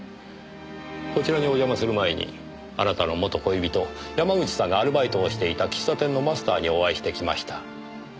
こちらにお邪魔する前にあなたの元恋人山口さんがアルバイトをしていた喫茶店のマスターにお会いしてきました。